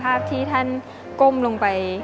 ภาพที่ท่านก้มลงไป